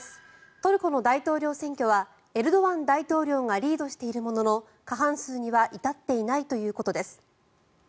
トルコの大統領選挙はエルドアン大統領がリードしているものの決定には至っていないということです。